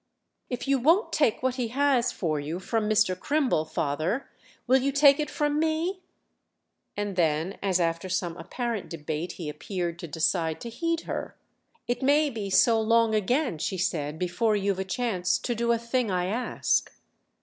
"If you won't take what he has for you from Mr. Crimble, father, will you take it from me?" And then as after some apparent debate he appeared to decide to heed her, "It may be so long again," she said, "before you've a chance to do a thing I ask."